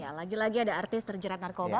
ya lagi lagi ada artis terjerat narkoba